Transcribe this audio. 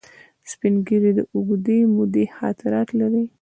سپین ږیری د اوږدې مودې خاطرات لري